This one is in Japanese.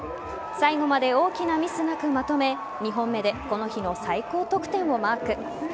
最後まで大きなミスなくまとめ２本目でこの日の最高得点をマーク。